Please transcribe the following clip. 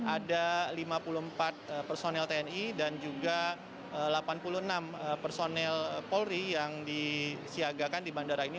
ada lima puluh empat personel tni dan juga delapan puluh enam personel polri yang disiagakan di bandara ini